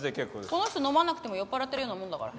この人飲まなくても酔っ払ってるようなもんだから。